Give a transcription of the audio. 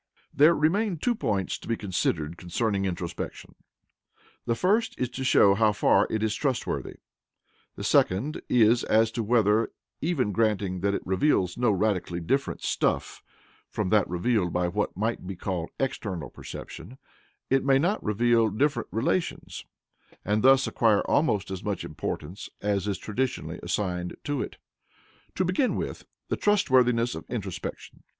There remain two points to be considered concerning introspection. The first is as to how far it is trustworthy; the second is as to whether, even granting that it reveals no radically different STUFF from that revealed by what might be called external perception, it may not reveal different RELATIONS, and thus acquire almost as much importance as is traditionally assigned to it. To begin with the trustworthiness of introspection.